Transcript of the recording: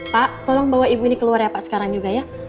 pak tolong bawa ibu ini keluar ya pak sekarang juga ya